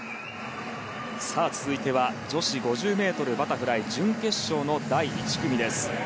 続いては、女子５０ｍバタフライ準決勝の第１組です。